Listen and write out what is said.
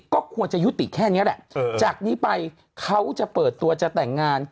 ก็ควรจะยุติแค่นี้แหละจากนี้ไปเขาจะเปิดตัวจะแต่งงาน